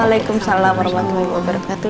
waalaikumsalam warahmatullahi wabarakatuh